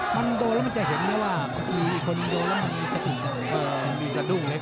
มันโดแล้วมันจะเห็นเนี่ยว่ามีคนโดแล้วมันมีสะดุงกันเนี่ย